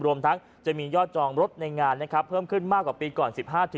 รวมทั้งจะมียอดจองรถในงานนะครับเพิ่มขึ้นมากกว่าปีก่อน๑๕